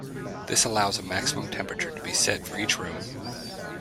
This allows a maximum temperature to be set for each room.